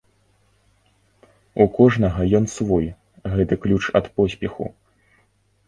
У кожнага ён свой, гэты ключ ад поспеху.